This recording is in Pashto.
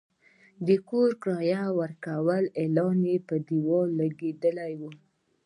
د کور د کرایې ورکولو اعلان پر دېوال لګېدلی و.